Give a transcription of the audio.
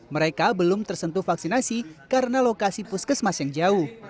mereka belum tersentuh vaksinasi karena lokasi puskesmas yang jauh